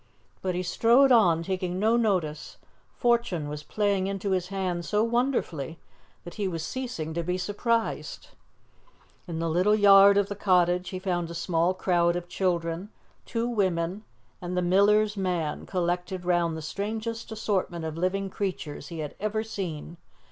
But he strode on, taking no notice; fortune was playing into his hand so wonderfully that he was ceasing to be surprised. In the little yard of the cottage he found a small crowd of children, two women, and the miller's man, collected round the strangest assortment of living creatures he had ever seen.